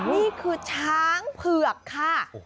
นี่คือช้างเผือกค่ะ